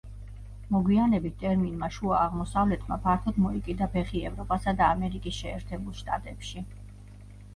მოგვიანებით ტერმინმა შუა აღმოსავლეთმა ფართოდ მოიკიდა ფეხი ევროპასა და ამერიკის შეერთებულ შტატებში.